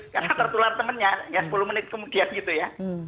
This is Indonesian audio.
karena tertular temennya ya sepuluh menit kemudian gitu ya